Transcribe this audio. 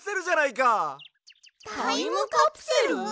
タイムカプセル！？